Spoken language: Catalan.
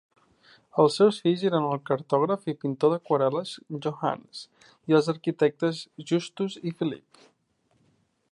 Els seus fills eren el cartògraf i pintor d'aquarel·les Johannes i els arquitectes Justus i Philip.